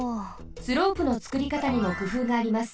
スロープのつくりかたにもくふうがあります。